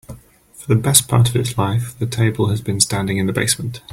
For the best part of its life, the table has been standing in the basement.